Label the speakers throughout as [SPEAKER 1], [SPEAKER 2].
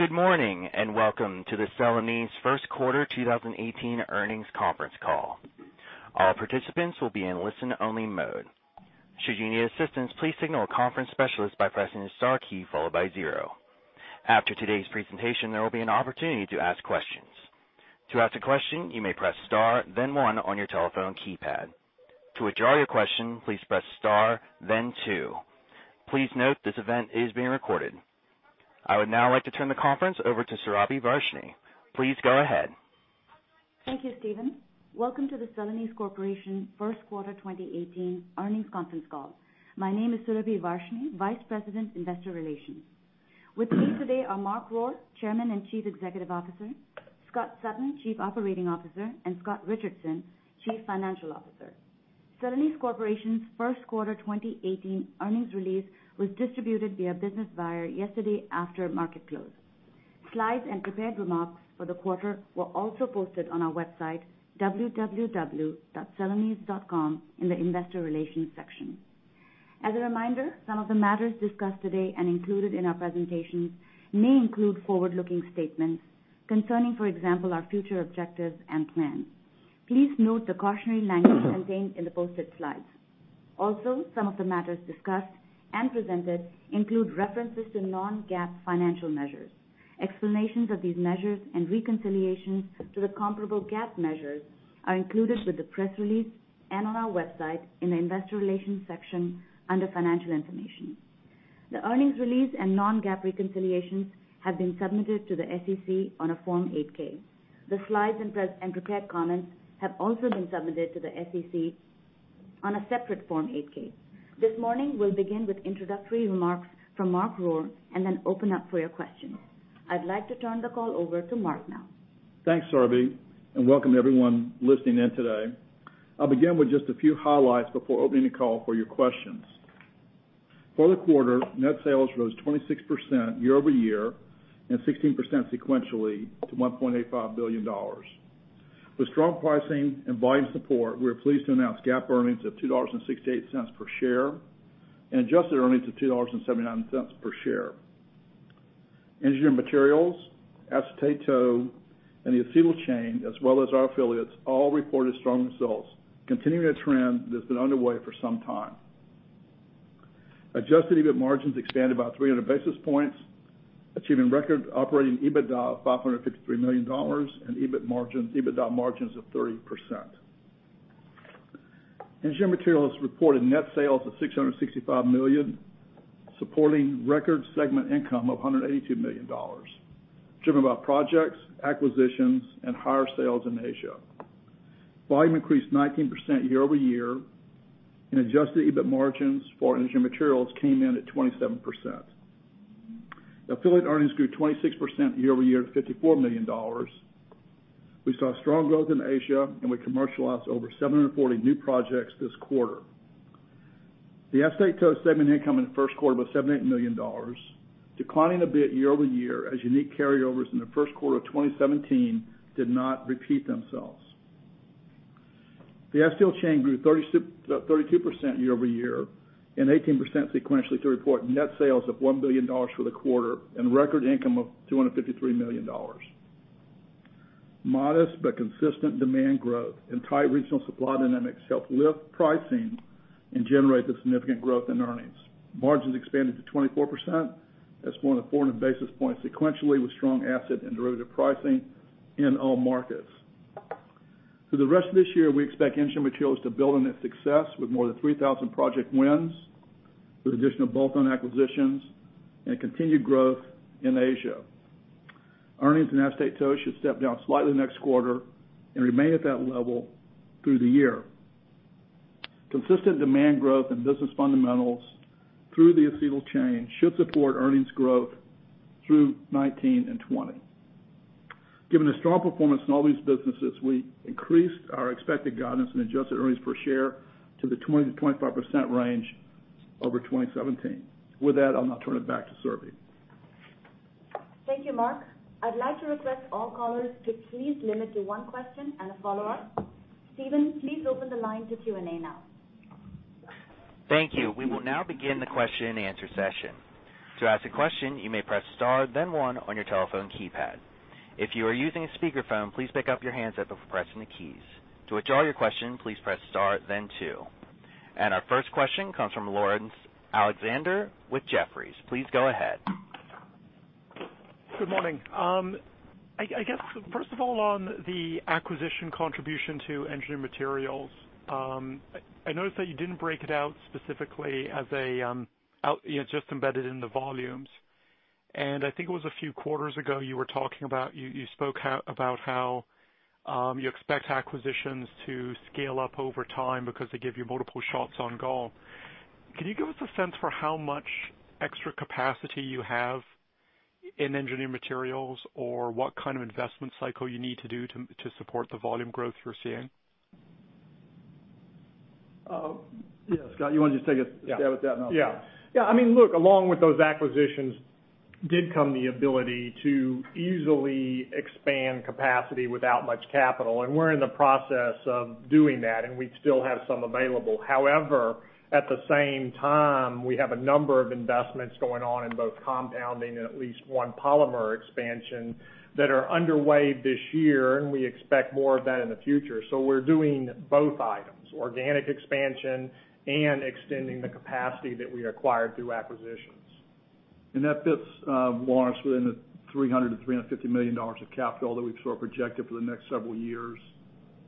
[SPEAKER 1] Good morning, welcome to the Celanese first quarter 2018 earnings conference call. All participants will be in listen-only mode. Should you need assistance, please signal a conference specialist by pressing the star key followed by zero. After today's presentation, there will be an opportunity to ask questions. To ask a question, you may press star then one on your telephone keypad. To withdraw your question, please press star then two. Please note this event is being recorded. I would now like to turn the conference over to Surabhi Varshney. Please go ahead.
[SPEAKER 2] Thank you, Steven. Welcome to the Celanese Corporation first quarter 2018 earnings conference call. My name is Surabhi Varshney, vice president, Investor Relations. With me today are Mark Rohr, Chairman and Chief Executive Officer, Scott Sutton, Chief Operating Officer, and Scott Richardson, Chief Financial Officer. Celanese Corporation's first quarter 2018 earnings release was distributed via Business Wire yesterday after market close. Slides and prepared remarks for the quarter were also posted on our website, www.celanese.com, in the investor relations section. As a reminder, some of the matters discussed today included in our presentations may include forward-looking statements concerning, for example, our future objectives and plans. Please note the cautionary language contained in the posted slides. Some of the matters discussed and presented include references to non-GAAP financial measures. Explanations of these measures and reconciliations to the comparable GAAP measures are included with the press release and on our website in the investor relations section under financial information. The earnings release and non-GAAP reconciliations have been submitted to the SEC on a Form 8-K. The slides and prepared comments have been submitted to the SEC on a separate Form 8-K. This morning, we'll begin with introductory remarks from Mark Rohr then open up for your questions. I'd like to turn the call over to Mark now.
[SPEAKER 3] Thanks, Surabhi, welcome everyone listening in today. I'll begin with just a few highlights before opening the call for your questions. For the quarter, net sales rose 26% year-over-year 16% sequentially to $1.85 billion. With strong pricing and volume support, we are pleased to announce GAAP earnings of $2.68 per share adjusted earnings of $2.79 per share. Engineered Materials, Acetate Tow, the Acetyl Chain, as well as our affiliates, all reported strong results, continuing a trend that's been underway for some time. Adjusted EBIT margins expanded about 300 basis points, achieving record operating EBITDA of $553 million EBITDA margins of 30%. Engineered Materials reported net sales of $665 million, supporting record segment income of $182 million, driven by projects, acquisitions, and higher sales in Asia. Volume increased 19% year-over-year, adjusted EBIT margins for Engineered Materials came in at 27%. Affiliate earnings grew 26% year-over-year to $54 million. We saw strong growth in Asia, and we commercialized over 740 new projects this quarter. The Acetate Tow segment income in the first quarter was $78 million, declining a bit year-over-year as unique carryovers in the first quarter of 2017 did not repeat themselves. The Acetyl Chain grew 32% year-over-year and 18% sequentially to report net sales of $1 billion for the quarter and record income of $253 million. Modest but consistent demand growth and tight regional supply dynamics helped lift pricing and generate the significant growth in earnings. Margins expanded to 24%, that's 400 basis points sequentially, with strong asset and derivative pricing in all markets. For the rest of this year, we expect Engineered Materials to build on its success with more than 3,000 project wins, with additional bolt-on acquisitions, and continued growth in Asia. Earnings in Acetate Tow should step down slightly next quarter and remain at that level through the year. Consistent demand growth and business fundamentals through the Acetyl Chain should support earnings growth through 2019 and 2020. Given the strong performance in all these businesses, we increased our expected guidance in adjusted earnings per share to the 20%-25% range over 2017. With that, I'll now turn it back to Surabhi.
[SPEAKER 2] Thank you, Mark. I'd like to request all callers to please limit to one question and a follow-up. Steven, please open the line to Q&A now.
[SPEAKER 1] Thank you. We will now begin the question and answer session. To ask a question, you may press star then one on your telephone keypad. If you are using a speakerphone, please pick up your handset before pressing the keys. To withdraw your question, please press star then two. Our first question comes from Laurence Alexander with Jefferies. Please go ahead.
[SPEAKER 4] Good morning. I guess, first of all, on the acquisition contribution to Engineered Materials, I noticed that you didn't break it out specifically. It's just embedded in the volumes. I think it was a few quarters ago, you spoke about how you expect acquisitions to scale up over time because they give you multiple shots on goal. Can you give us a sense for how much extra capacity you have in Engineered Materials, or what kind of investment cycle you need to do to support the volume growth you're seeing?
[SPEAKER 3] Yeah. Scott, you want to just take a stab at that?
[SPEAKER 5] Yeah. Look, along with those acquisitions did come the ability to easily expand capacity without much capital. We're in the process of doing that, and we still have some available. However, at the same time, we have a number of investments going on in both compounding and at least one polymer expansion that are underway this year, and we expect more of that in the future. We're doing both items, organic expansion and extending the capacity that we acquired through acquisitions.
[SPEAKER 3] That fits, Laurence, within the $300 million-$350 million of capital that we've sort of projected for the next several years,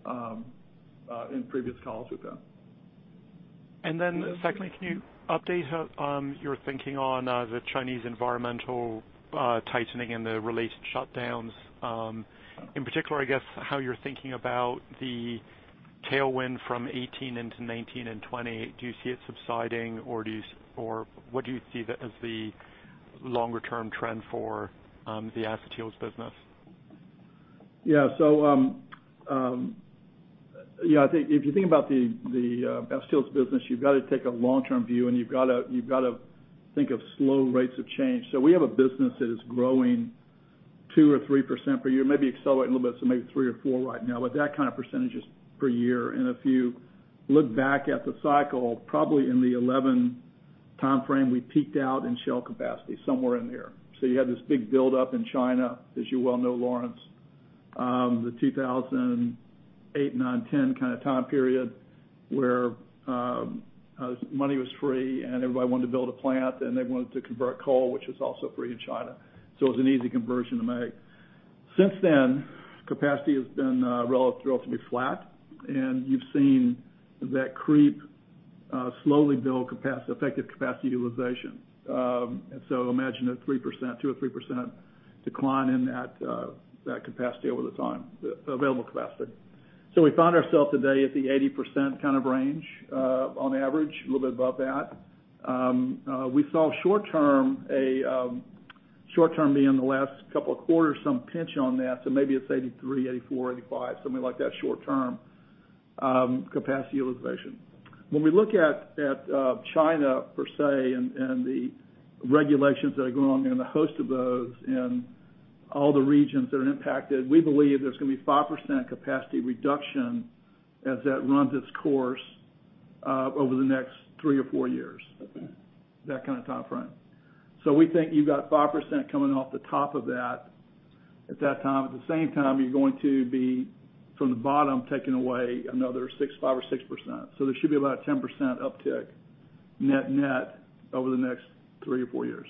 [SPEAKER 3] in previous calls we've had.
[SPEAKER 4] Secondly, can you update on your thinking on the Chinese environmental tightening and the related shutdowns? In particular, I guess, how you're thinking about the tailwind from 2018 into 2019 and 2020. Do you see it subsiding, or what do you see as the longer-term trend for the acetyls business?
[SPEAKER 3] Yeah. If you think about the acetyls business, you've got to take a long-term view, and you've got to think of slow rates of change. We have a business that is growing 2% or 3% per year, maybe accelerating a little bit, so maybe 3% or 4% right now, but that kind of percentages per year. If you look back at the cycle, probably in the 2011 timeframe, we peaked out in shell capacity somewhere in there. You had this big buildup in China, as you well know, Laurence. The 2008, 2009, 2010 kind of time period where money was free, and everybody wanted to build a plant, and they wanted to convert coal, which was also free in China. It was an easy conversion to make. Since then, capacity has been relatively flat, and you've seen that creep slowly build effective capacity utilization. Imagine a 2% or 3% decline in that capacity over the time, available capacity. We found ourselves today at the 80% kind of range, on average, a little bit above that. We saw short term, short term being the last couple of quarters, some pinch on that. Maybe it's 83, 84, 85, something like that short term capacity utilization. When we look at China, per se, and the regulations that are going on there, and the host of those in all the regions that are impacted, we believe there's going to be 5% capacity reduction as that runs its course over the next three or four years.
[SPEAKER 4] Okay.
[SPEAKER 3] That kind of timeframe. We think you've got 5% coming off the top of that at that time. At the same time, you're going to be, from the bottom, taking away another 5% or 6%. There should be about a 10% uptick net net over the next three or four years.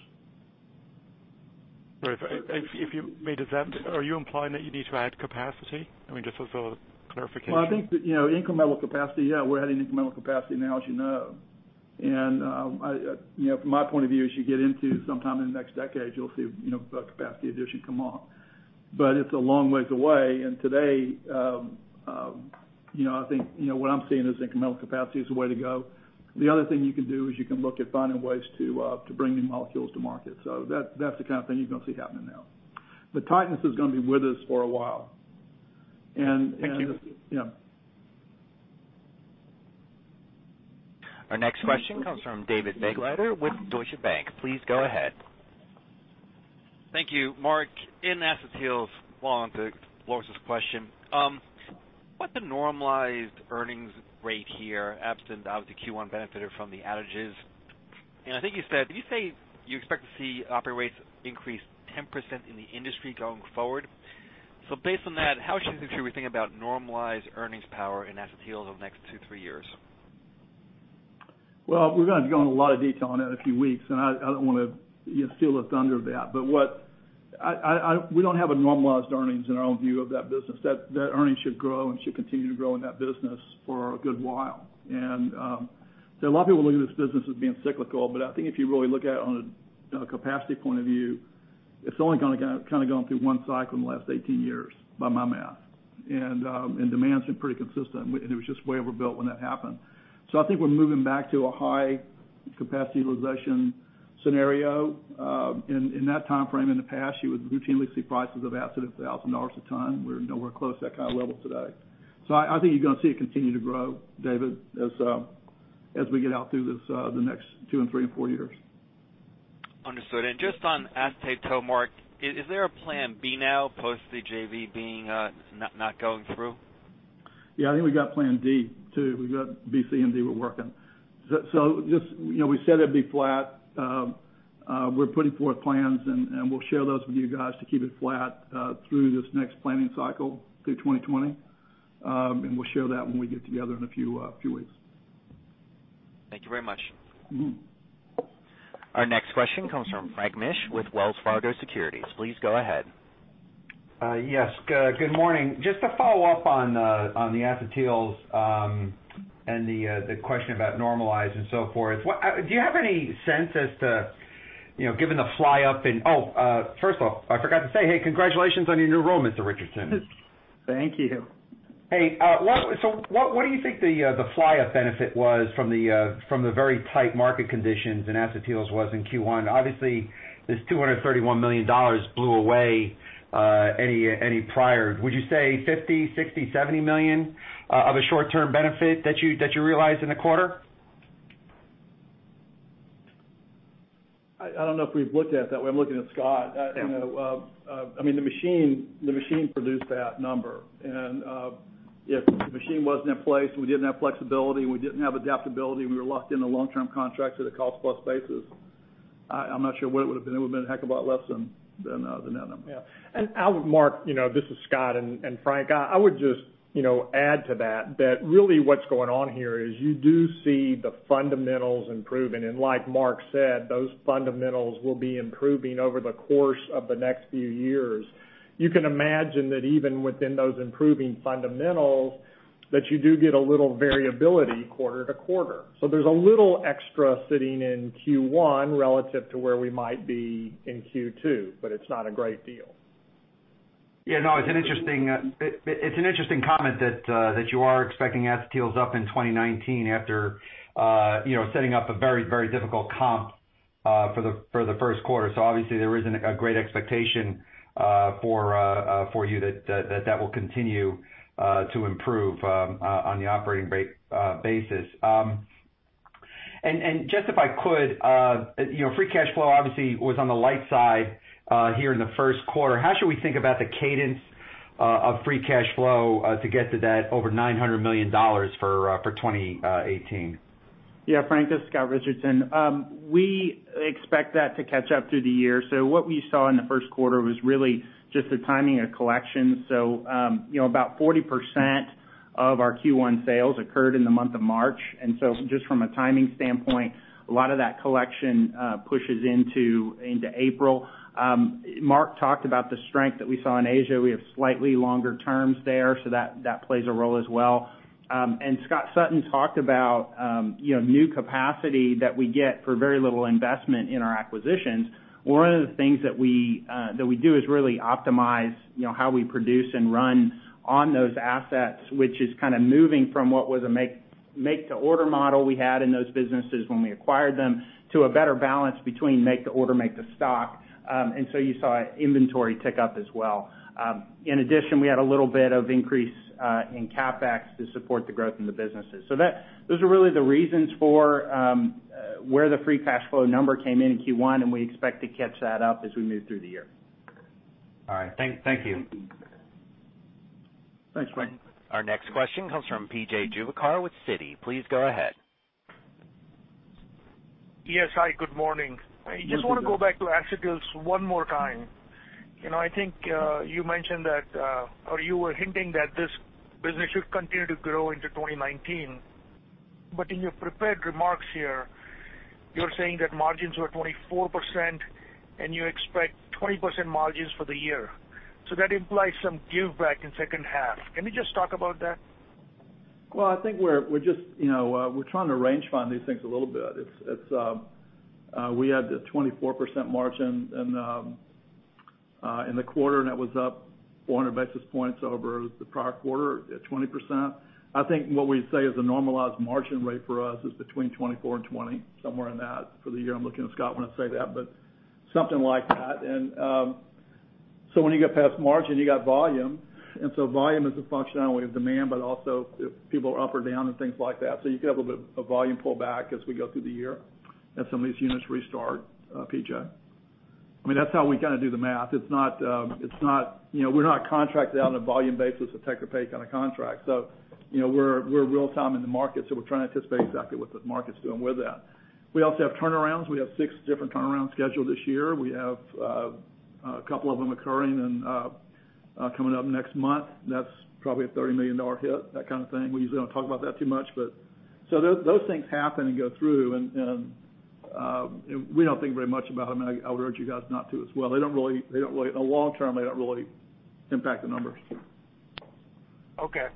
[SPEAKER 4] Great. Are you implying that you need to add capacity? Just as a clarification.
[SPEAKER 3] I think incremental capacity, yeah, we're adding incremental capacity now, as you know. From my point of view, as you get into sometime in the next decade, you'll see capacity addition come on. It's a long ways away. Today, I think what I'm seeing is incremental capacity is the way to go. The other thing you can do is you can look at finding ways to bring new molecules to market. That's the kind of thing you're going to see happening now. The tightness is going to be with us for a while.
[SPEAKER 4] Thank you.
[SPEAKER 3] Yeah.
[SPEAKER 1] Our next question comes from David Begleiter with Deutsche Bank. Please go ahead.
[SPEAKER 6] Thank you, Mark. In Acetyls, to Laurence's question, what's the normalized earnings rate here, absent, obviously, Q1 benefited from the outages. I think you said, did you say you expect to see operating rates increase 10% in the industry going forward? Based on that, how should we think about normalized earnings power in Acetyl over the next two, three years?
[SPEAKER 3] Well, we're going to be going into a lot of detail on that in a few weeks, I don't want to steal the thunder of that. We don't have a normalized earnings in our own view of that business. That earnings should grow and should continue to grow in that business for a good while. A lot of people look at this business as being cyclical, I think if you really look at it on a capacity point of view, it's only gone through one cycle in the last 18 years by my math. Demand's been pretty consistent, and it was just way overbuilt when that happened. I think we're moving back to a high capacity utilization scenario. In that timeframe in the past, you would routinely see prices of acid at $1,000 a ton. We're nowhere close to that kind of level today. I think you're going to see it continue to grow, David, as we get out through the next two and three and four years.
[SPEAKER 6] Understood. Just on Acetate Tow, Mark, is there a plan B now post the JV not going through?
[SPEAKER 3] Yeah, I think we got plan D too. We got B, C, and D we're working. Just we said it'd be flat. We're putting forth plans, and we'll share those with you guys to keep it flat through this next planning cycle through 2020. We'll share that when we get together in a few weeks.
[SPEAKER 6] Thank you very much.
[SPEAKER 1] Our next question comes from Frank Mitsch with Wells Fargo Securities. Please go ahead.
[SPEAKER 7] Yes. Good morning. Just to follow up on the Acetyls and the question about normalized and so forth. Do you have any sense as to, given the fly up, oh, first off, I forgot to say, hey, congratulations on your new role, Mr. Richardson.
[SPEAKER 8] Thank you.
[SPEAKER 7] Hey, what do you think the fly-up benefit was from the very tight market conditions in Acetyls was in Q1? Obviously, this $231 million blew away any prior. Would you say $50 million, $60 million, $70 million of a short-term benefit that you realized in the quarter?
[SPEAKER 3] I don't know if we've looked at it that way. I'm looking at Scott.
[SPEAKER 8] Yeah.
[SPEAKER 3] The machine produced that number, and if the machine wasn't in place and we didn't have flexibility, we didn't have adaptability, we were locked into long-term contracts at a cost-plus basis, I'm not sure what it would've been. It would've been a heck of a lot less than that number.
[SPEAKER 8] Yeah. Mark, this is Scott and Frank, I would just add to that really what's going on here is you do see the fundamentals improving, like Mark said, those fundamentals will be improving over the course of the next few years. You can imagine that even within those improving fundamentals, that you do get a little variability quarter to quarter. There's a little extra sitting in Q1 relative to where we might be in Q2, it's not a great deal.
[SPEAKER 7] Yeah, no, it's an interesting comment that you are expecting acetyl deals up in 2019 after setting up a very difficult comp for the first quarter. Obviously there isn't a great expectation for you that will continue to improve on the operating basis. Just if I could, free cash flow obviously was on the light side here in the first quarter. How should we think about the cadence of free cash flow to get to that over $900 million for 2018?
[SPEAKER 8] Yeah, Frank, this is Scott Richardson. We expect that to catch up through the year. What we saw in the first quarter was really just the timing of collections. About 40% of our Q1 sales occurred in the month of March, just from a timing standpoint, a lot of that collection pushes into April. Mark talked about the strength that we saw in Asia. We have slightly longer terms there, that plays a role as well. Scott Sutton talked about new capacity that we get for very little investment in our acquisitions. One of the things that we do is really optimize how we produce and run on those assets, which is kind of moving from what was a make to order model we had in those businesses when we acquired them, to a better balance between make to order, make to stock. You saw inventory tick up as well. In addition, we had a little bit of increase in CapEx to support the growth in the businesses. Those are really the reasons for where the free cash flow number came in in Q1, we expect to catch that up as we move through the year.
[SPEAKER 7] All right. Thank you.
[SPEAKER 3] Thanks, Frank.
[SPEAKER 1] Our next question comes from P.J. Juvekar with Citi. Please go ahead.
[SPEAKER 9] Yes, hi, good morning.
[SPEAKER 3] Good morning.
[SPEAKER 9] I just want to go back to Acetyls one more time. I think you mentioned that, or you were hinting that this business should continue to grow into 2019, but in your prepared remarks here, you're saying that margins were 24% and you expect 20% margins for the year. That implies some give back in second half. Can you just talk about that?
[SPEAKER 3] Well, I think we're trying to range find these things a little bit. We had the 24% margin in the quarter, and that was up 400 basis points over the prior quarter at 20%. I think what we'd say is the normalized margin rate for us is between 24 and 20, somewhere in that for the year. I'm looking at Scott when I say that, but something like that. When you get past margin, you got volume, and so volume is a function not only of demand, but also if people are up or down and things like that. You could have a bit of a volume pull back as we go through the year and some of these units restart, P.J. That's how we kind of do the math. We're not contracted out on a volume basis, a take or pay kind of contract. We're real time in the market, so we're trying to anticipate exactly what this market's doing with that. We also have turnarounds. We have six different turnarounds scheduled this year. We have a couple of them occurring and coming up next month, and that's probably a $30 million hit, that kind of thing. We usually don't talk about that too much, but those things happen and go through and we don't think very much about them, and I would urge you guys not to as well. In the long term, they don't really impact the numbers.
[SPEAKER 9] Okay.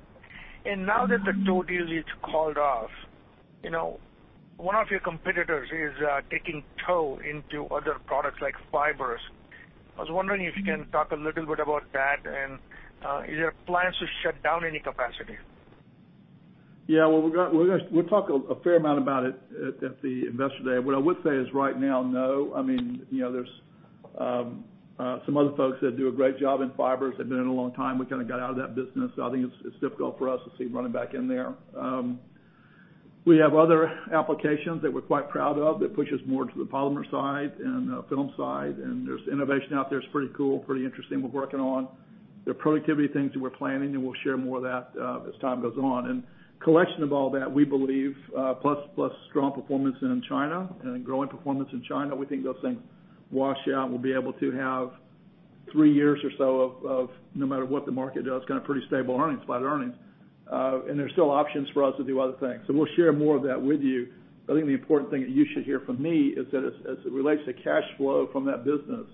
[SPEAKER 9] Now that the tow deal is called off, one of your competitors is dipping a toe into other products like fibers. I was wondering if you can talk a little bit about that and is there plans to shut down any capacity?
[SPEAKER 3] Well, we'll talk a fair amount about it at the Investor Day. What I would say is right now, no. There's some other folks that do a great job in fibers. They've been in a long time. We kind of got out of that business, so I think it's difficult for us to see running back in there. We have other applications that we're quite proud of that push us more to the polymer side and film side, and there's innovation out there. It's pretty cool, pretty interesting. We're working on the productivity things that we're planning, and we'll share more of that as time goes on. Collection of all that, we believe, plus strong performance in China and growing performance in China, we think those things wash out. We'll be able to have three years or so of, no matter what the market does, kind of pretty stable earnings, flat earnings. There's still options for us to do other things. We'll share more of that with you. I think the important thing that you should hear from me is that as it relates to cash flow from that business,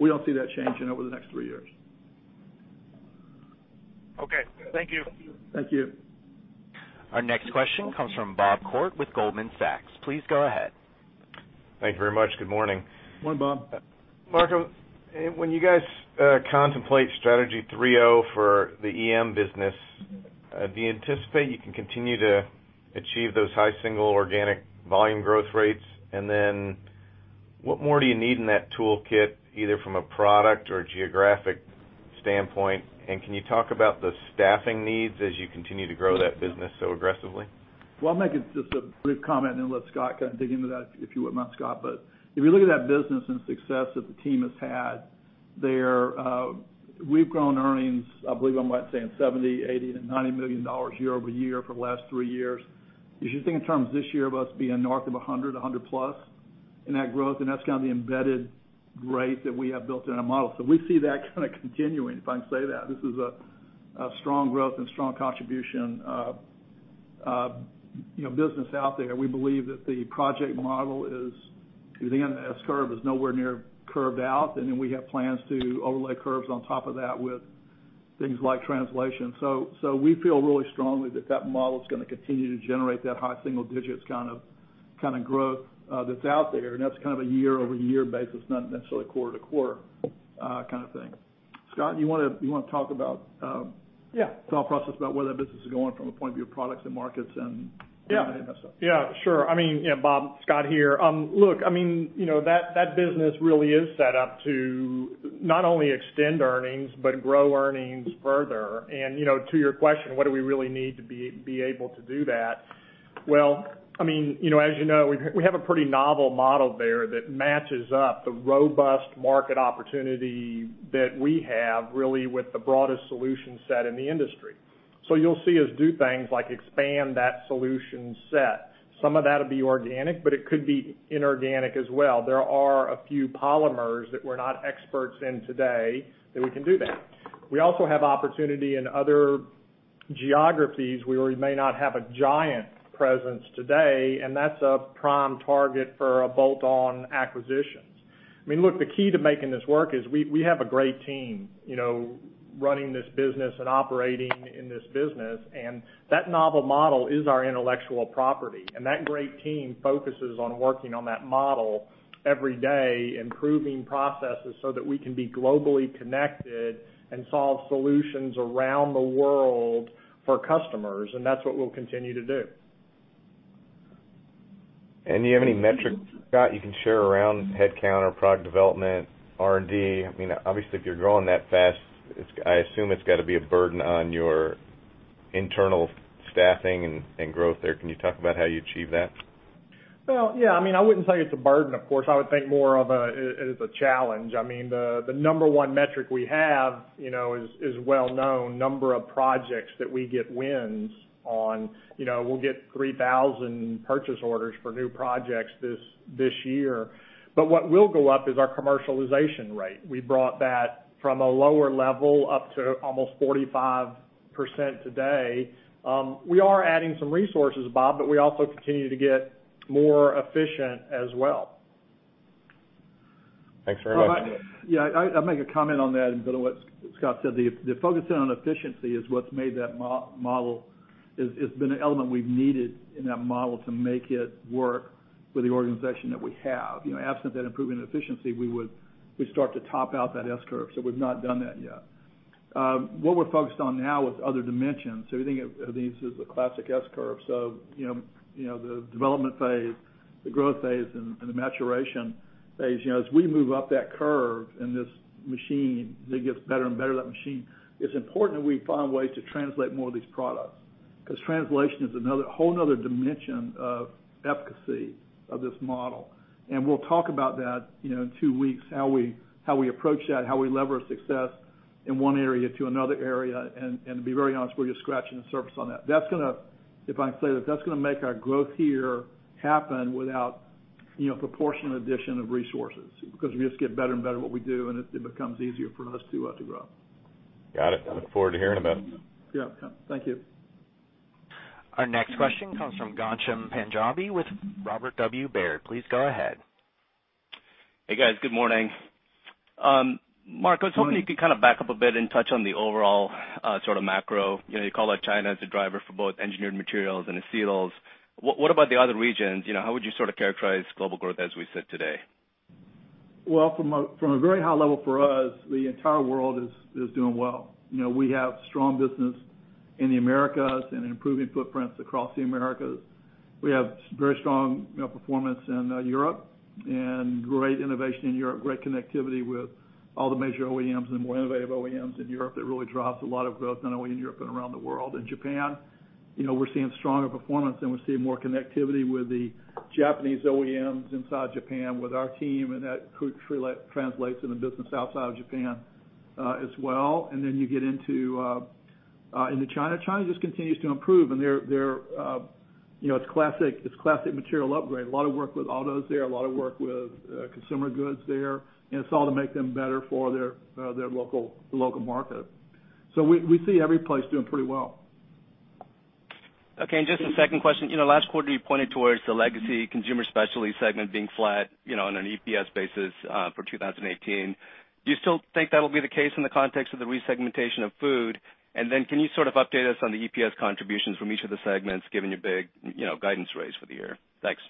[SPEAKER 3] we don't see that changing over the next three years.
[SPEAKER 9] Okay. Thank you.
[SPEAKER 3] Thank you.
[SPEAKER 1] Our next question comes from Bob Koort with Goldman Sachs. Please go ahead.
[SPEAKER 10] Thank you very much. Good morning.
[SPEAKER 3] Morning, Bob.
[SPEAKER 10] Mark, when you guys contemplate strategy 3.0 for the EM business, do you anticipate you can continue to achieve those high single organic volume growth rates? What more do you need in that toolkit, either from a product or geographic standpoint, can you talk about the staffing needs as you continue to grow that business so aggressively?
[SPEAKER 3] Well, I'll make just a brief comment and then let Scott kind of dig into that, if you would mind, Scott. If you look at that business and success that the team has had there, we've grown earnings, I believe, I might say in $70 million, $80 million to $90 million year-over-year for the last three years. You should think in terms this year of us being north of 100-plus in that growth, that's kind of the embedded rate that we have built in our model. We see that kind of continuing, if I can say that. This is a strong growth and strong contribution business out there. We believe that the project model is, the S-curve is nowhere near curved out, we have plans to overlay curves on top of that with things like translation. We feel really strongly that that model is going to continue to generate that high single digits kind of growth that's out there. That's kind of a year-over-year basis, not necessarily quarter-to-quarter kind of thing. Scott, you want to talk about-
[SPEAKER 5] Yeah
[SPEAKER 3] thought process about where that business is going from a point of view of products and markets.
[SPEAKER 5] Yeah
[SPEAKER 3] any of that stuff?
[SPEAKER 5] Yeah, sure. Bob, Scott here. Look, that business really is set up to not only extend earnings but grow earnings further. To your question, what do we really need to be able to do that? Well, as you know, we have a pretty novel model there that matches up the robust market opportunity that we have, really with the broadest solution set in the industry. You'll see us do things like expand that solution set. Some of that'll be organic, but it could be inorganic as well. There are a few polymers that we're not experts in today that we can do that. We also have opportunity in other geographies where we may not have a giant presence today, That's a prime target for bolt-on acquisitions. Look, the key to making this work is we have a great team running this business and operating in this business. That novel model is our intellectual property. That great team focuses on working on that model every day, improving processes that we can be globally connected and solve solutions around the world for customers. That's what we'll continue to do.
[SPEAKER 10] Do you have any metrics, Scott, you can share around headcount or product development, R&D? Obviously, if you're growing that fast, I assume it's got to be a burden on your internal staffing and growth there. Can you talk about how you achieve that?
[SPEAKER 5] Well, yeah. I wouldn't say it's a burden, of course. I would think more of it as a challenge. The number one metric we have is well known, number of projects that we get wins on. We'll get 3,000 purchase orders for new projects this year. What will go up is our commercialization rate. We brought that from a lower level up to almost 45% today. We are adding some resources, Bob, we also continue to get more efficient as well.
[SPEAKER 10] Thanks very much.
[SPEAKER 3] Yeah. I'll make a comment on that and build on what Scott said. The focus in on efficiency is what's made that model, it's been an element we've needed in that model to make it work with the organization that we have. Absent that improvement in efficiency, we'd start to top out that S-curve, we've not done that yet. What we're focused on now is other dimensions. Everything, I think, is the classic S-curve. The development phase, the growth phase, and the maturation phase. As we move up that curve in this machine, as it gets better and better, that machine, it's important that we find ways to translate more of these products, because translation is a whole other dimension of efficacy of this model. We'll talk about that in two weeks, how we approach that, how we lever success in one area to another area. To be very honest, we're just scratching the surface on that. If I can say this, that's going to make our growth here happen without proportionate addition of resources, because we just get better and better at what we do, and it becomes easier for us to grow.
[SPEAKER 10] Got it. I look forward to hearing about it.
[SPEAKER 3] Yeah. Thank you.
[SPEAKER 1] Our next question comes from Ghansham Panjabi with Robert W. Baird. Please go ahead.
[SPEAKER 11] Hey, guys. Good morning. Mark, I was hoping you could kind of back up a bit and touch on the overall sort of macro. You call out China as a driver for both Engineered Materials and Acetyls. What about the other regions? How would you sort of characterize global growth as we sit today?
[SPEAKER 3] Well, from a very high level for us, the entire world is doing well. We have strong business in the Americas and improving footprints across the Americas. We have very strong performance in Europe and great innovation in Europe, great connectivity with all the major OEMs and more innovative OEMs in Europe that really drives a lot of growth not only in Europe and around the world. In Japan, we're seeing stronger performance, and we're seeing more connectivity with the Japanese OEMs inside Japan with our team, and that translates into business outside of Japan as well. You get into China. China just continues to improve, and it's classic material upgrade. A lot of work with autos there, a lot of work with consumer goods there, and it's all to make them better for their local market. We see every place doing pretty well.
[SPEAKER 11] Okay, just a second question. Last quarter, you pointed towards the Legacy Consumer Specialties segment being flat on an EPS basis for 2018. Do you still think that'll be the case in the context of the resegmentation of Food? Can you sort of update us on the EPS contributions from each of the segments, given your big guidance raise for the year? Thanks.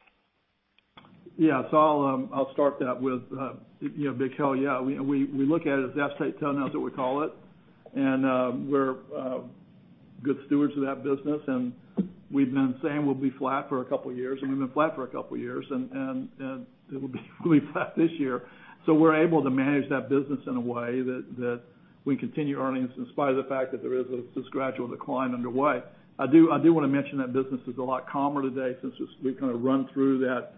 [SPEAKER 3] Yeah. I'll start that with a big hell yeah. We look at it as Acetate Tow, is what we call it, and we're good stewards of that business, and we've been saying we'll be flat for a couple of years, and we've been flat for a couple of years, and we'll be flat this year. We're able to manage that business in a way that we continue earnings in spite of the fact that there is this gradual decline underway. I do want to mention that business is a lot calmer today since we've kind of run through that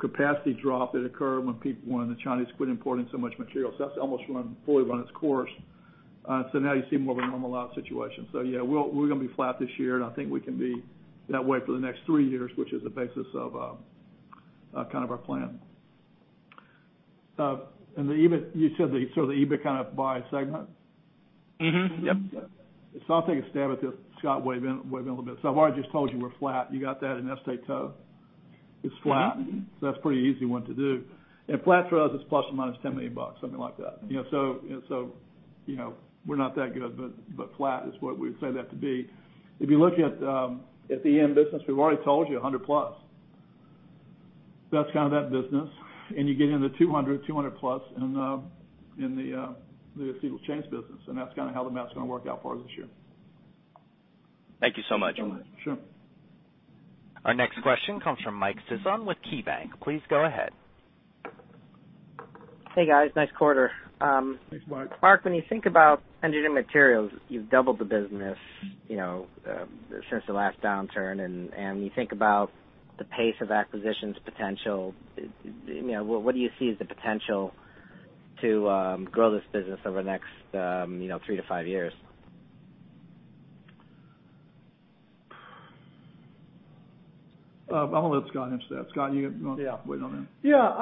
[SPEAKER 3] capacity drop that occurred when the Chinese quit importing so much material. That's almost fully run its course. Now you see more of a normalized situation. Yeah, we're going to be flat this year, and I think we can be that way for the next three years, which is the basis of our plan. You said the EBIT by segment?
[SPEAKER 11] Mm-hmm. Yep.
[SPEAKER 3] I'll take a stab at this. Scott, weigh in a little bit. I've already just told you we're flat. You got that in Acetate Tow, it's flat. That's a pretty easy one to do. Flat for us is plus or minus $10 million, something like that. We're not that good, but flat is what we'd say that to be. If you look at the EM business, we've already told you 100+. That's kind of that business, and you get into 200+ in the Acetyl Chain business, and that's kind of how the math's going to work out for us this year.
[SPEAKER 11] Thank you so much.
[SPEAKER 3] Sure.
[SPEAKER 1] Our next question comes from Mike Sison with KeyBanc. Please go ahead.
[SPEAKER 12] Hey, guys. Nice quarter.
[SPEAKER 3] Thanks, Mike.
[SPEAKER 12] Mark, when you think about Engineered Materials, you've doubled the business since the last downturn, and you think about the pace of acquisitions potential, what do you see as the potential to grow this business over the next three to five years?
[SPEAKER 3] I'm going to let Scott answer that. Scott, you want to weigh on that?
[SPEAKER 5] Yeah.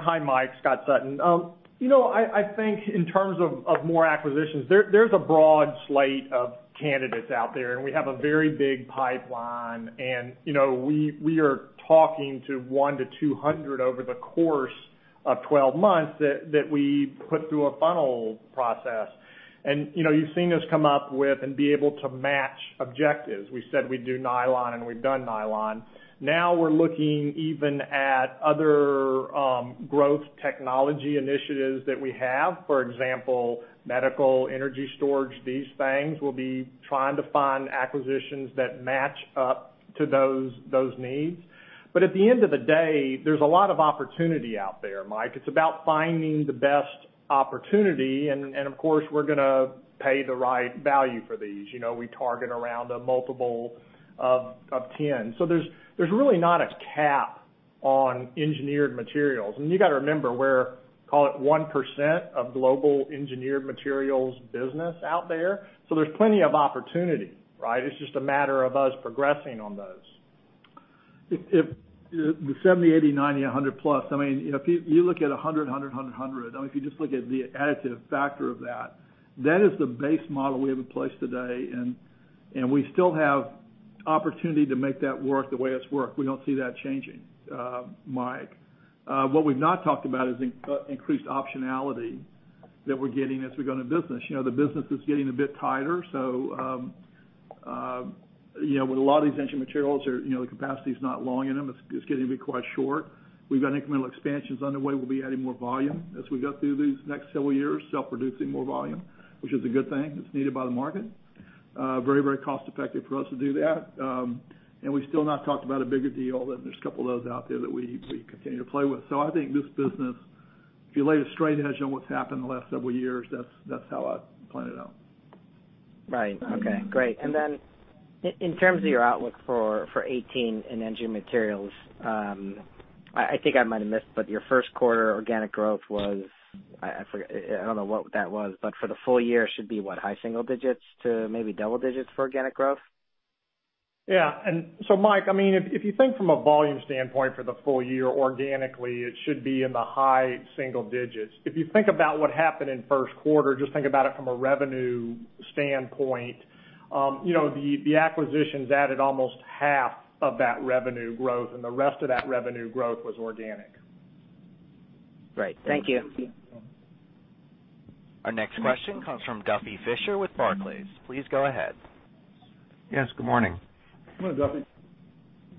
[SPEAKER 5] Hi, Mike. Scott Sutton. I think in terms of more acquisitions, there's a broad slate of candidates out there, and we have a very big pipeline, and we are talking to one to 200 over the course of 12 months that we put through a funnel process. You've seen us come up with and be able to match objectives. We said we'd do nylon, and we've done nylon. Now we're looking even at other growth technology initiatives that we have. For example, medical energy storage, these things. We'll be trying to find acquisitions that match up to those needs. At the end of the day, there's a lot of opportunity out there, Mike. It's about finding the best opportunity, and of course, we're going to pay the right value for these. We target around a multiple of 10. There's really not a cap on Engineered Materials. You got to remember, we're call it 1% of global Engineered Materials business out there. There's plenty of opportunity, right? It's just a matter of us progressing on those.
[SPEAKER 3] If the 70, 80, 90, 100+, if you look at 100, if you just look at the additive factor of that is the base model we have in place today. We still have opportunity to make that work the way it's worked. We don't see that changing, Mike. What we've not talked about is increased optionality that we're getting as we go into business. The business is getting a bit tighter. With a lot of these Engineered Materials, the capacity's not long in them. It's getting to be quite short. We've got incremental expansions underway. We'll be adding more volume as we go through these next several years, producing more volume, which is a good thing. It's needed by the market. Very cost effective for us to do that. We've still not talked about a bigger deal, and there's a two of those out there that we continue to play with. I think this business, if you lay a straight edge on what's happened in the last several years, that's how I'd plan it out.
[SPEAKER 12] Right. Okay. Great. In terms of your outlook for 2018 in Engineered Materials, I think I might have missed, but your first quarter organic growth was, I don't know what that was, but for the full year, it should be what? High single digits to maybe double digits for organic growth?
[SPEAKER 5] Yeah. Mike, if you think from a volume standpoint for the full year organically, it should be in the high single digits. If you think about what happened in first quarter, just think about it from a revenue standpoint. The acquisitions added almost half of that revenue growth, and the rest of that revenue growth was organic.
[SPEAKER 12] Great. Thank you.
[SPEAKER 1] Our next question comes from Duffy Fischer with Barclays. Please go ahead.
[SPEAKER 13] Yes, good morning.
[SPEAKER 3] Good morning, Duffy.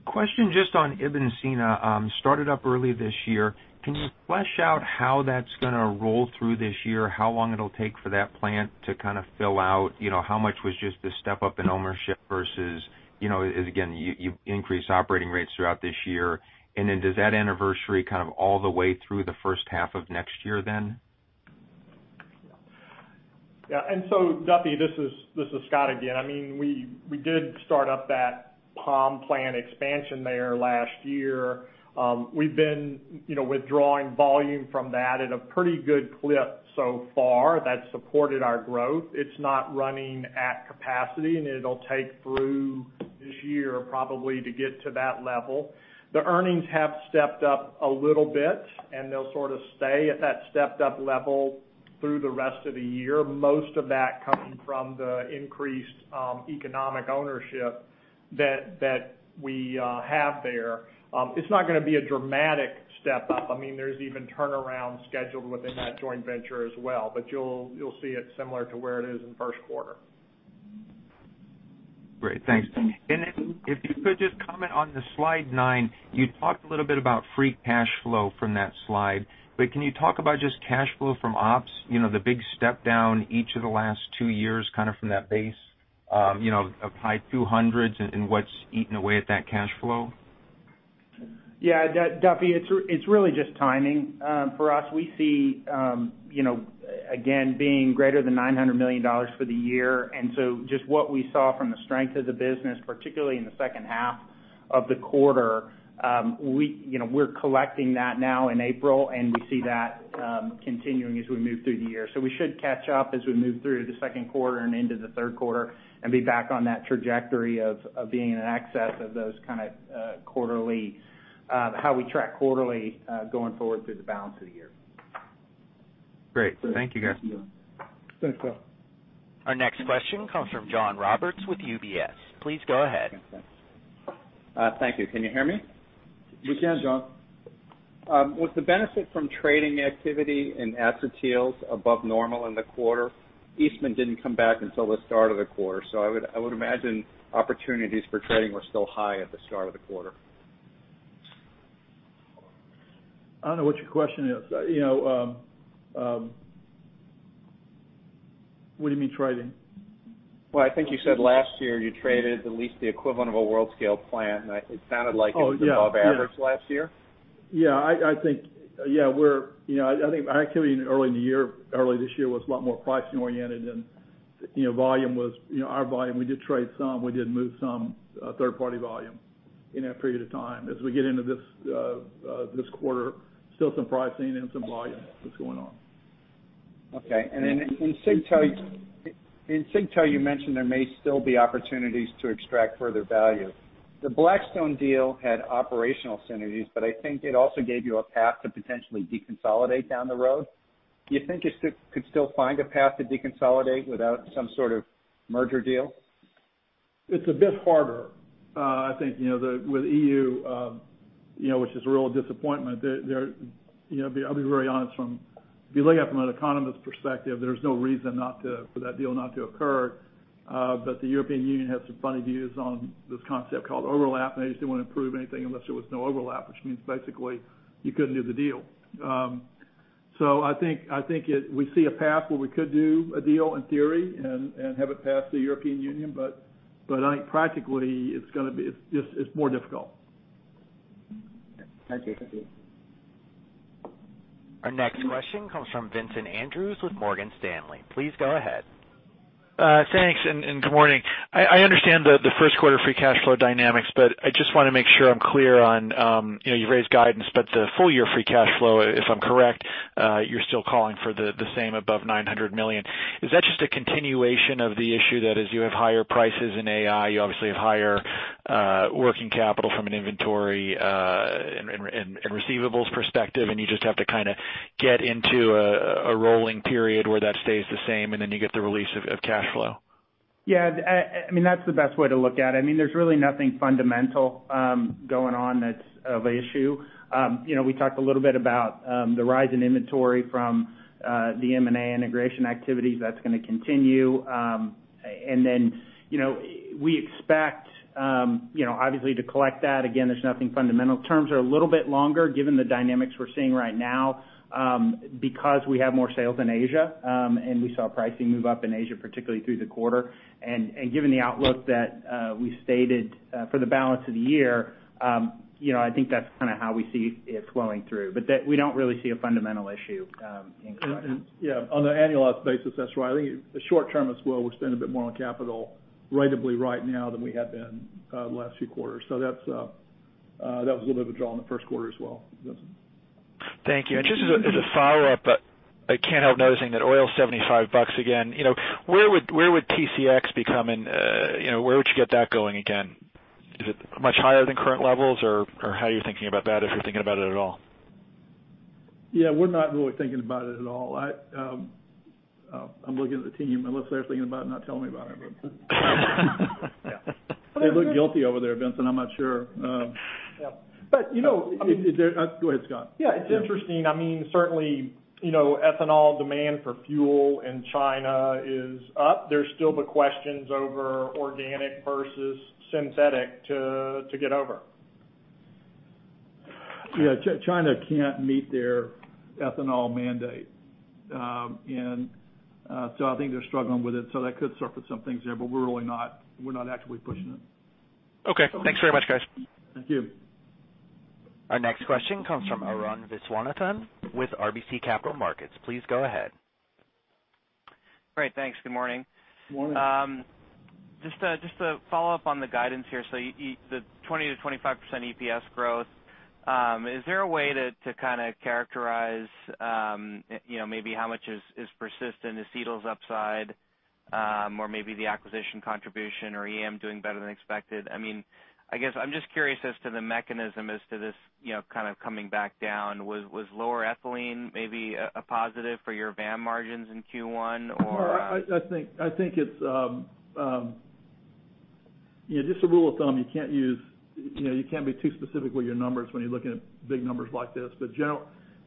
[SPEAKER 13] Question just on Ibn Sina, started up early this year. Can you flesh out how that's going to roll through this year? How long it'll take for that plant to kind of fill out? How much was just the step up in ownership versus, again, you increased operating rates throughout this year, and then does that anniversary kind of all the way through the first half of next year then?
[SPEAKER 5] Yeah. Duffy, this is Scott again. We did start up that Pampa plant expansion there last year. We've been withdrawing volume from that at a pretty good clip so far that supported our growth. It's not running at capacity, and it'll take through this year probably to get to that level. The earnings have stepped up a little bit, and they'll sort of stay at that stepped-up level through the rest of the year. Most of that coming from the increased economic ownership that we have there. It's not going to be a dramatic step up. There's even turnaround scheduled within that joint venture as well, but you'll see it similar to where it is in first quarter.
[SPEAKER 13] Great. Thanks. If you could just comment on the slide nine, you talked a little bit about free cash flow from that slide, but can you talk about just cash flow from ops, the big step down each of the last two years from that base of high $200s and what's eaten away at that cash flow?
[SPEAKER 8] Yeah. Duffy, it's really just timing for us. We see again, being greater than $900 million for the year, just what we saw from the strength of the business, particularly in the second half of the quarter. We're collecting that now in April, and we see that continuing as we move through the year. We should catch up as we move through the second quarter and into the third quarter and be back on that trajectory of being in excess of those kind of how we track quarterly, going forward through the balance of the year.
[SPEAKER 13] Great. Thank you, guys.
[SPEAKER 3] Thanks, Duffy.
[SPEAKER 1] Our next question comes from John Roberts with UBS. Please go ahead.
[SPEAKER 14] Thank you. Can you hear me?
[SPEAKER 3] We can, John.
[SPEAKER 14] Was the benefit from trading activity in Acetyls above normal in the quarter? Eastman didn't come back until the start of the quarter, I would imagine opportunities for trading were still high at the start of the quarter.
[SPEAKER 3] I don't know what your question is. What do you mean trading?
[SPEAKER 14] Well, I think you said last year you traded at least the equivalent of a world scale plant.
[SPEAKER 3] Oh, yeah
[SPEAKER 14] it was above average last year.
[SPEAKER 3] Yeah. I think our activity early in the year, early this year, was a lot more pricing oriented and our volume, we did trade some, we did move some third-party volume in that period of time. As we get into this quarter, still some pricing and some volume that's going on.
[SPEAKER 14] Okay. Then in Acetate Tow, you mentioned there may still be opportunities to extract further value. The Blackstone deal had operational synergies, but I think it also gave you a path to potentially deconsolidate down the road. Do you think you could still find a path to deconsolidate without some sort of merger deal?
[SPEAKER 3] It's a bit harder. I think, with EU, which is a real disappointment. I'll be very honest, if you look at it from an economist perspective, there's no reason for that deal not to occur. The European Union has some funny views on this concept called overlap, and they just didn't want to approve anything unless there was no overlap, which means basically you couldn't do the deal. I think we see a path where we could do a deal in theory and have it pass the European Union, but I think practically it's more difficult.
[SPEAKER 14] Okay. Thank you.
[SPEAKER 1] Our next question comes from Vincent Andrews with Morgan Stanley. Please go ahead.
[SPEAKER 15] Thanks, good morning. I understand the first quarter free cash flow dynamics, but I just want to make sure I'm clear on, you've raised guidance, but the full year free cash flow, if I'm correct, you're still calling for the same above $900 million. Is that just a continuation of the issue that as you have higher prices in AC, you obviously have higher working capital from an inventory and receivables perspective, and you just have to get into a rolling period where that stays the same, and then you get the release of cash flow?
[SPEAKER 8] Yeah, that's the best way to look at it. There's really nothing fundamental going on that's of issue. We talked a little bit about the rise in inventory from the M&A integration activities. That's going to continue. We expect, obviously, to collect that. Again, there's nothing fundamental. Terms are a little bit longer given the dynamics we're seeing right now, because we have more sales in Asia, and we saw pricing move up in Asia, particularly through the quarter. Given the outlook that we stated for the balance of the year, I think that's how we see it flowing through. We don't really see a fundamental issue in cash flow.
[SPEAKER 3] Yeah. On an annualized basis, that's right. I think the short term as well, we'll spend a bit more on capital ratably right now than we had been the last few quarters. That was a little bit of a draw in the first quarter as well, Vincent.
[SPEAKER 15] Thank you. Just as a follow-up, I can't help noticing that oil's $75 again. Where would TCX become and where would you get that going again? Is it much higher than current levels, or how are you thinking about that, if you're thinking about it at all?
[SPEAKER 3] Yeah, we're not really thinking about it at all. I'm looking at the team, unless they're thinking about it and not telling me about it.
[SPEAKER 8] Yeah.
[SPEAKER 3] They look guilty over there, Vincent. I'm not sure.
[SPEAKER 8] Yeah.
[SPEAKER 3] Go ahead, Scott.
[SPEAKER 8] Yeah, it's interesting. Certainly, ethanol demand for fuel in China is up. There's still the questions over organic versus synthetic to get over.
[SPEAKER 3] Yeah. China can't meet their ethanol mandate. I think they're struggling with it, so that could surface some things there, but we're not actively pushing it.
[SPEAKER 15] Okay. Thanks very much, guys.
[SPEAKER 3] Thank you.
[SPEAKER 1] Our next question comes from Arun Viswanathan with RBC Capital Markets. Please go ahead.
[SPEAKER 16] Great. Thanks. Good morning.
[SPEAKER 3] Morning.
[SPEAKER 16] Just to follow up on the guidance here, the 20%-25% EPS growth, is there a way to kind of characterize maybe how much is persistent, is Celanese's upside, or maybe the acquisition contribution or EM doing better than expected? I guess I'm just curious as to the mechanism as to this kind of coming back down. Was lower ethylene maybe a positive for your EM margins in Q1?
[SPEAKER 3] I think it's just a rule of thumb. You can't be too specific with your numbers when you're looking at big numbers like this.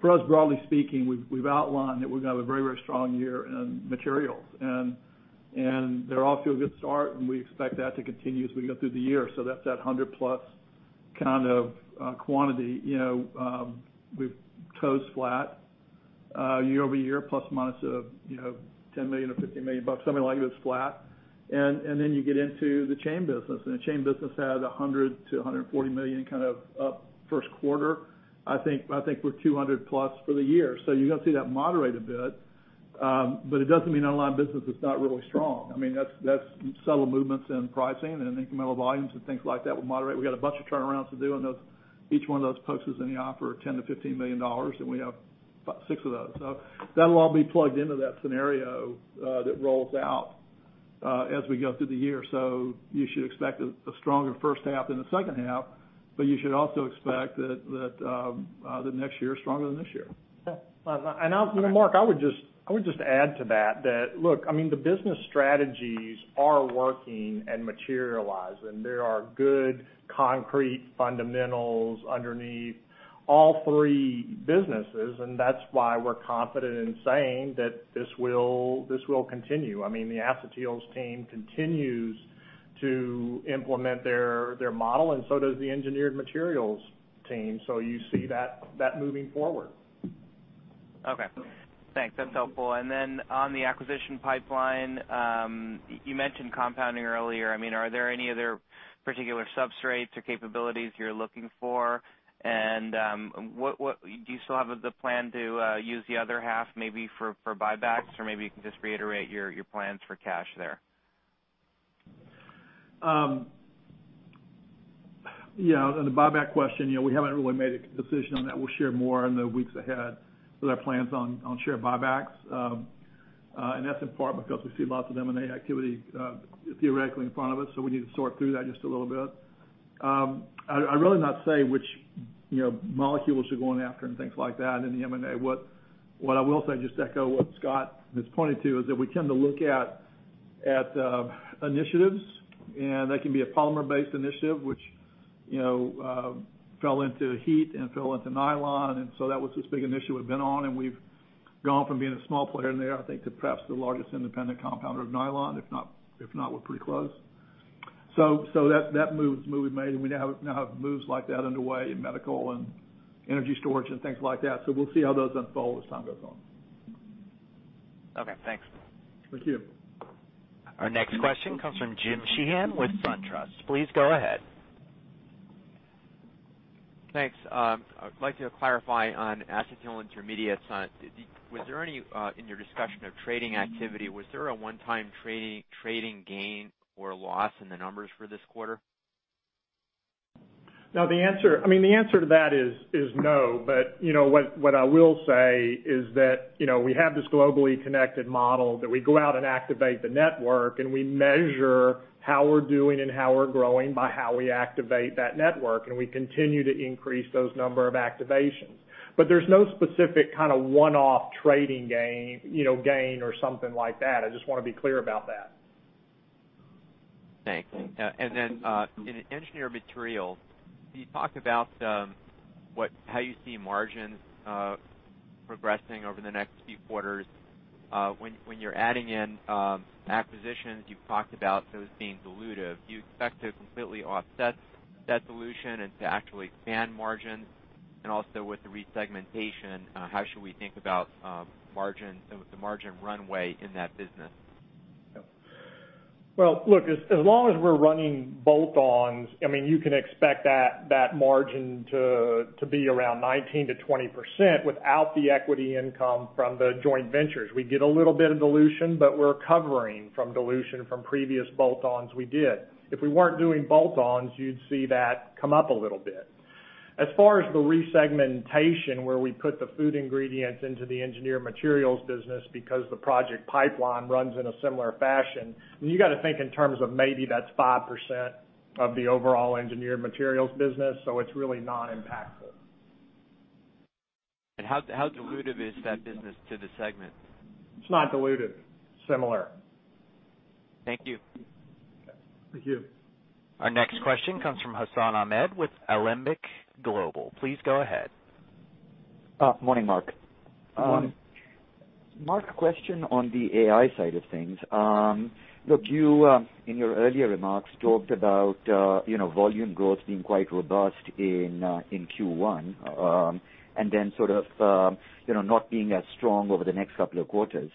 [SPEAKER 3] For us, broadly speaking, we've outlined that we're going to have a very strong year in materials. They're off to a good start, and we expect that to continue as we go through the year. That's that $100 million-plus kind of quantity. We've towed flat year-over-year, plus or minus $10 million or $15 million, something like it was flat. You get into the chain business, and the chain business had $100 million to $140 million kind of first quarter. I think we're $200 million-plus for the year. You're going to see that moderate a bit, but it doesn't mean our line business is not really strong. That's subtle movements in pricing and incremental volumes and things like that will moderate. We got a bunch of turnarounds to do on those. Each one of those posters in the offer are $10 million to $15 million, and we have about six of those. That'll all be plugged into that scenario that rolls out as we go through the year. You should expect a stronger first half than the second half, but you should also expect that the next year is stronger than this year.
[SPEAKER 5] Yeah. Mark, I would just add to that, look, the business strategies are working and materialize, and there are good, concrete fundamentals underneath all three businesses, and that's why we're confident in saying that this will continue. The Acetyls team continues to implement their model, and so does the Engineered Materials team. You see that moving forward.
[SPEAKER 16] Okay. Thanks. That's helpful. On the acquisition pipeline, you mentioned compounding earlier. Are there any other particular substrates or capabilities you're looking for? Do you still have the plan to use the other half, maybe for buybacks, or maybe you can just reiterate your plans for cash there?
[SPEAKER 3] Yeah, on the buyback question, we haven't really made a decision on that. We'll share more in the weeks ahead with our plans on share buybacks. That's in part because we see lots of M&A activity theoretically in front of us, so we need to sort through that just a little bit. I'd really not say which molecules we're going after and things like that in the M&A. What I will say, just to echo what Scott has pointed to, is that we tend to look at initiatives, and that can be a polymer-based initiative, which (fell into heat) and fell into nylon. That was this big initiative we've been on, and we've gone from being a small player in there, I think, to perhaps the largest independent compounder of nylon. If not, we're pretty close. That move we've made, and we now have moves like that underway in medical and energy storage and things like that. We'll see how those unfold as time goes on.
[SPEAKER 16] Okay, thanks.
[SPEAKER 3] Thank you.
[SPEAKER 1] Our next question comes from Jim Sheehan with SunTrust. Please go ahead.
[SPEAKER 17] Thanks. I'd like to clarify on Acetyl Intermediates. In your discussion of trading activity, was there a one-time trading gain or loss in the numbers for this quarter?
[SPEAKER 5] No, the answer to that is no. What I will say is that we have this globally connected model that we go out and activate the network, and we measure how we're doing and how we're growing by how we activate that network, and we continue to increase those number of activations. There's no specific kind of one-off trading gain or something like that. I just want to be clear about that.
[SPEAKER 17] Thanks. In Engineered Materials, you talked about how you see margins progressing over the next few quarters. When you're adding in acquisitions, you've talked about those being dilutive. Do you expect to completely offset that dilution and to actually expand margins? Also with the resegmentation, how should we think about the margin runway in that business?
[SPEAKER 5] Well, look, as long as we're running bolt-ons, you can expect that margin to be around 19%-20% without the equity income from the joint ventures. We get a little bit of dilution, but we're recovering from dilution from previous bolt-ons we did. If we weren't doing bolt-ons, you'd see that come up a little bit. As far as the resegmentation, where we put the food ingredients into the Engineered Materials business because the project pipeline runs in a similar fashion, you got to think in terms of maybe that's 5% of the overall Engineered Materials business, so it's really not impactful.
[SPEAKER 17] How dilutive is that business to the segment?
[SPEAKER 5] It's not dilutive. Similar.
[SPEAKER 17] Thank you.
[SPEAKER 3] Thank you.
[SPEAKER 1] Our next question comes from Hassan Ahmed with Alembic Global. Please go ahead.
[SPEAKER 18] Morning, Mark.
[SPEAKER 3] Morning.
[SPEAKER 18] Mark, question on the AC side of things. Look, you in your earlier remarks, talked about volume growth being quite robust in Q1, sort of not being as strong over the next couple of quarters.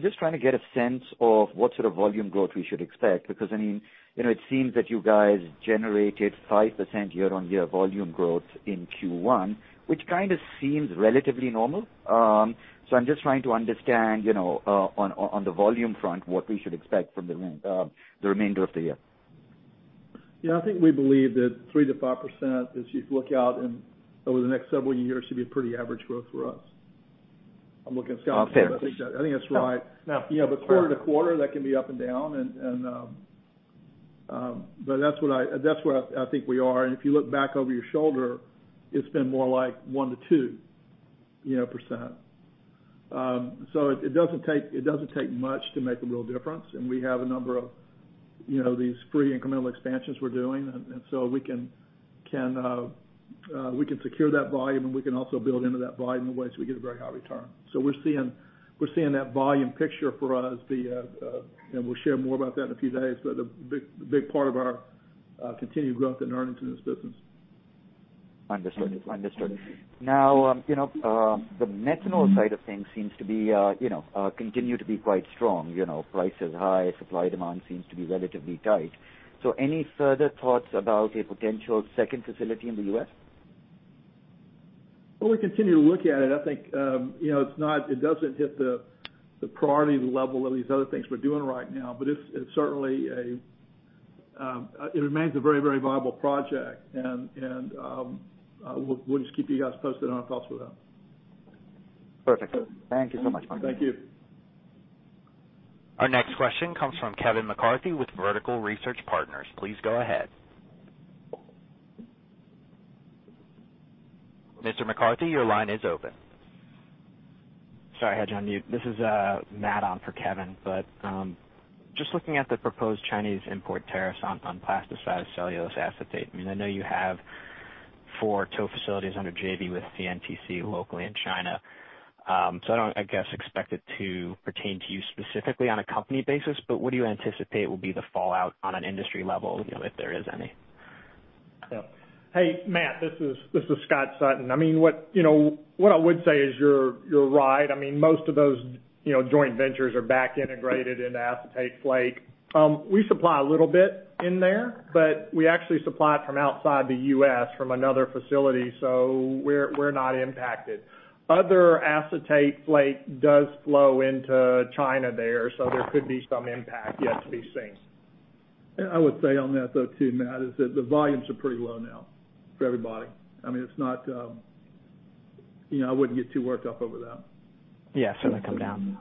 [SPEAKER 18] Just trying to get a sense of what sort of volume growth we should expect, because it seems that you guys generated 5% year-over-year volume growth in Q1, which kind of seems relatively normal. I'm just trying to understand on the volume front, what we should expect from the remainder of the year.
[SPEAKER 3] Yeah, I think we believe that 3%-5%, as you look out over the next several years, should be a pretty average growth for us. I'm looking at Scott.
[SPEAKER 18] Okay
[SPEAKER 3] I think that's right. Quarter to quarter, that can be up and down, but that's where I think we are. If you look back over your shoulder, it's been more like 1%-2%.
[SPEAKER 5] It doesn't take much to make a real difference. We have a number of these three incremental expansions we're doing. We can secure that volume, and we can also build into that volume in ways we get a very high return. We're seeing that volume picture for us, and we'll share more about that in a few days. A big part of our continued growth in earnings in this business.
[SPEAKER 18] Understood. The methanol side of things seems to continue to be quite strong. Price is high, supply-demand seems to be relatively tight. Any further thoughts about a potential second facility in the U.S.?
[SPEAKER 5] Well, we continue to look at it. I think it doesn't hit the priority level of these other things we're doing right now. It remains a very viable project. We'll just keep you guys posted on our thoughts with that.
[SPEAKER 18] Perfect. Thank you so much.
[SPEAKER 5] Thank you.
[SPEAKER 1] Our next question comes from Kevin McCarthy with Vertical Research Partners. Please go ahead. Mr. McCarthy, your line is open.
[SPEAKER 19] Sorry, I had you on mute. This is Matt on for Kevin. Just looking at the proposed Chinese import tariffs on plasticized cellulose acetate. I know you have four tow facilities under JV with CNTC locally in China. I don't, I guess, expect it to pertain to you specifically on a company basis. What do you anticipate will be the fallout on an industry level, if there is any?
[SPEAKER 5] Hey, Matt, this is Scott Sutton. What I would say is you're right. Most of those joint ventures are back integrated into acetate flake. We supply a little bit in there, but we actually supply it from outside the U.S. from another facility, we're not impacted. Other acetate flake does flow into China there could be some impact yet to be seen. I would say on that, though, too, Matt, is that the volumes are pretty low now for everybody. I wouldn't get too worked up over that.
[SPEAKER 19] Yeah. It's going to come down.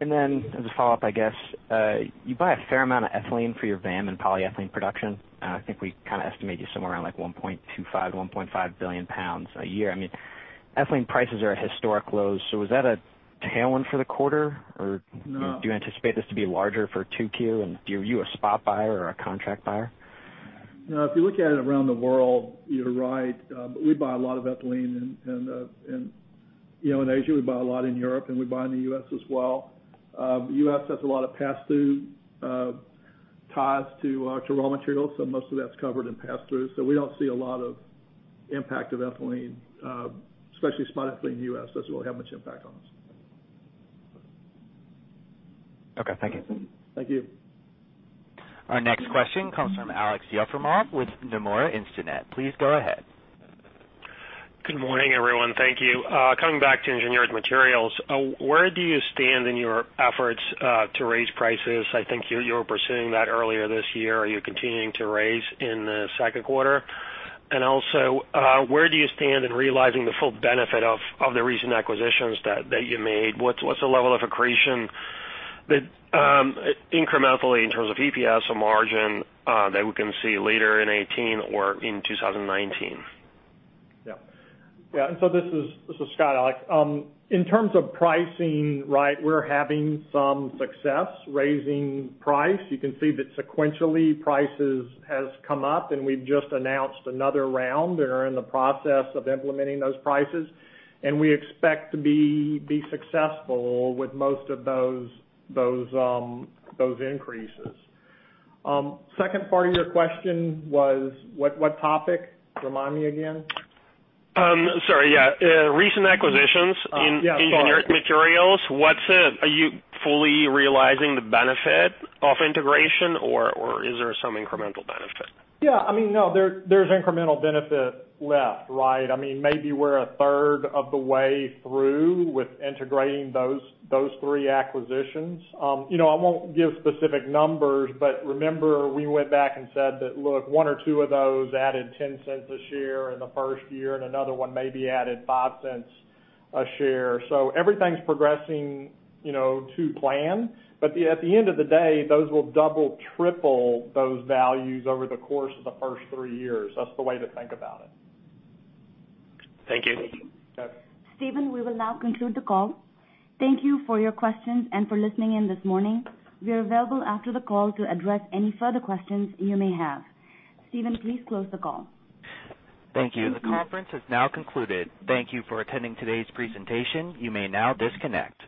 [SPEAKER 19] As a follow-up, I guess, you buy a fair amount of ethylene for your VAM and polyethylene production. I think we kind of estimate you somewhere around like 1.25 billion pounds-1.5 billion pounds a year. Ethylene prices are at historic lows. Was that a tailwind for the quarter?
[SPEAKER 5] No
[SPEAKER 19] Do you anticipate this to be larger for 2Q? Are you a spot buyer or a contract buyer?
[SPEAKER 5] No, if you look at it around the world, you're right. We buy a lot of ethylene in Asia, we buy a lot in Europe, and we buy in the U.S. as well. U.S. has a lot of pass-through ties to raw materials, most of that's covered in pass-through. We don't see a lot of impact of ethylene, especially spot ethylene in the U.S., doesn't really have much impact on us.
[SPEAKER 19] Okay. Thank you.
[SPEAKER 5] Thank you.
[SPEAKER 1] Our next question comes from Aleksey Yefremov with Nomura Instinet. Please go ahead.
[SPEAKER 20] Good morning, everyone. Thank you. Coming back to Engineered Materials, where do you stand in your efforts to raise prices? I think you were pursuing that earlier this year. Are you continuing to raise in the second quarter? And also, where do you stand in realizing the full benefit of the recent acquisitions that you made? What's the level of accretion incrementally in terms of EPS or margin that we can see later in 2018 or in 2019?
[SPEAKER 5] Yeah. This is Scott, Alexsey. In terms of pricing, we're having some success raising price. You can see that sequentially prices has come up and we've just announced another round and are in the process of implementing those prices. And we expect to be successful with most of those increases. Second part of your question was what topic? Remind me again.
[SPEAKER 20] Sorry, yeah. Recent acquisitions in-
[SPEAKER 5] Yeah. Sorry
[SPEAKER 20] Engineered Materials. Are you fully realizing the benefit of integration or is there some incremental benefit?
[SPEAKER 5] Yeah. There's incremental benefit left. Maybe we're a third of the way through with integrating those three acquisitions. I won't give specific numbers, but remember we went back and said that, look, one or two of those added $0.10 a share in the first year, and another one maybe added $0.05 a share. Everything's progressing to plan. At the end of the day, those will double, triple those values over the course of the first three years. That's the way to think about it.
[SPEAKER 20] Thank you.
[SPEAKER 5] Okay.
[SPEAKER 2] Steven, we will now conclude the call. Thank you for your questions and for listening in this morning. We are available after the call to address any further questions you may have. Steven, please close the call.
[SPEAKER 1] Thank you. The conference has now concluded. Thank you for attending today's presentation. You may now disconnect.